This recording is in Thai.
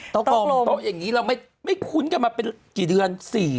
กองโต๊ะอย่างนี้เราไม่คุ้นกันมาเป็นกี่เดือน